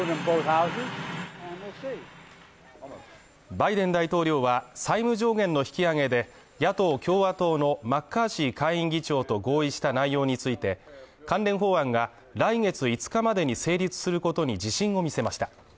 バイデン大統領は、債務上限の引き上げで、野党共和党のマッカーシー下院議長と合意した内容について関連法案が、来月５日までに成立することに自信を見せました。